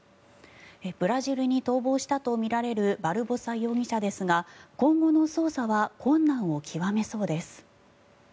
ブラジルに逃亡したとみられるバルボサ容疑者ですが今後の捜査は困難を極めそうです。